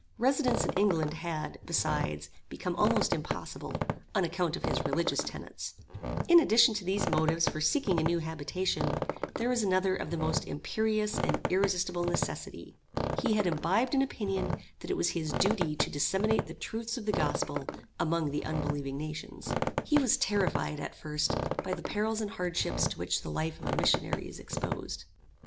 Residence in England had, besides, become almost impossible, on account of his religious tenets. In addition to these motives for seeking a new habitation, there was another of the most imperious and irresistable necessity. He had imbibed an opinion that it was his duty to disseminate the truths of the gospel among the unbelieving nations. He was terrified at first by the perils and hardships to which the life of a missionary is exposed.